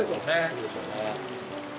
そうでしょうね。